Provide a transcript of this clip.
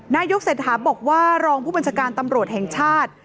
นายกเศรษฐาบอกว่ารองผู้บัญชาการตำรวจแห่งชาติ